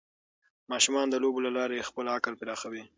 ماشومان د لوبو له لارې خپل عقل پراخوي.